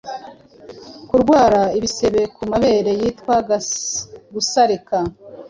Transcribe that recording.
Kurwara ibisebe ku mabere byitwa Gusarika